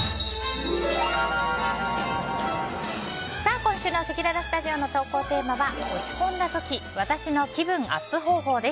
今週のせきららスタジオの投稿テーマは落ち込んだ時私の気分アップ方法です。